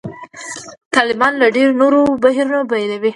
طالبان له ډېرو نورو بهیرونو بېلوي.